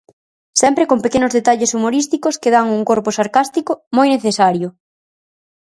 Sempre con pequenos detalles humorísticos que dan un corpo sarcástico moi necesario.